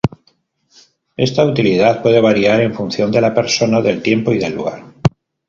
Esta utilidad puede variar en función de la persona, del tiempo y del lugar.